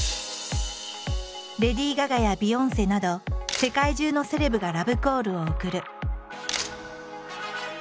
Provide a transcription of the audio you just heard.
レディ・ガガやビヨンセなど世界中のセレブがラブコールを送る。